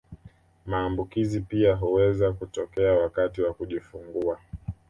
Maambukizi pia huweza kutokea wakati wa kujifungua